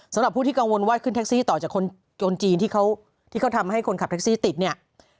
สำหรับผู้ที่กังวลว่าขึ้นแท็กซี่ต่อจากคนโจรจีนที่เขาที่เขาทำให้คนขับแท็กซี่ติดเนี่ย